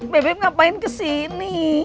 bebek ngapain kesini